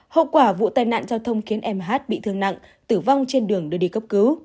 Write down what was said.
hậu quả vụ tai nạn giao thông khiến em hát bị thương nặng tử vong trên đường đưa đi cấp cứu